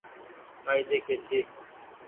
ڪآئي ڏيکي ڇي ۔